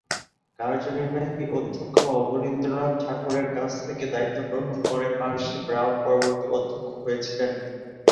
কার্যনির্বাহী অধ্যক্ষ অবনীন্দ্রনাথ ঠাকুরের কাছ থেকে দায়িত্ব গ্রহণ করে পার্সি ব্রাউন পরবর্তী অধ্যক্ষ হয়েছিলেন।